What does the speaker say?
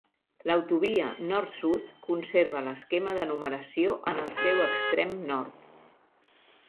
L'autovia nord-sud conserva l'esquema de numeració en el seu extrem nord.